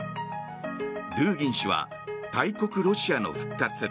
ドゥーギン氏は大国ロシアの復活